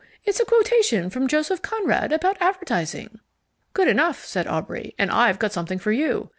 It's a quotation from Joseph Conrad about advertising." "Good enough," said Aubrey. "And I've got something for you.